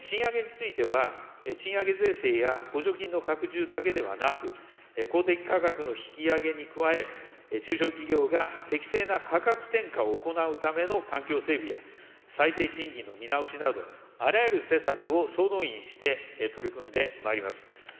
賃上げについては、賃上げ税制や補助金の拡充だけではなく、公的価格の引き上げに加え、中小企業が適正な価格転嫁を行うための環境整備や、最低賃金の見直しなど、あらゆる施策を総動員して、取り組んでまいります。